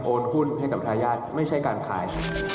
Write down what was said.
โอนหุ้นให้กับพระยาทธิ์ไม่ใช่การขาย